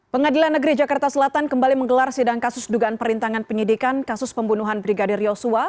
pengadilan negeri jakarta selatan kembali menggelar sidang kasus dugaan perintangan penyidikan kasus pembunuhan brigadir yosua